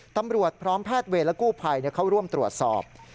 ตำรวจพร้อมแพทย์เวรและกู้ภัยเข้าร่วมตรวจสอบ